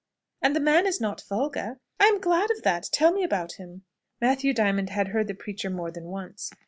"And the man is not vulgar? I am glad of that! Tell me about him." Matthew Diamond had heard the preacher more than once.